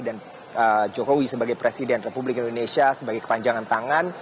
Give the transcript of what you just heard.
dan jokowi sebagai presiden republik indonesia sebagai kepanjangan tangan